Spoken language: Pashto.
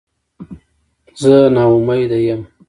زه نا امیده یم